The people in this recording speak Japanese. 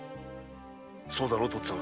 そうだろうとっつぁん。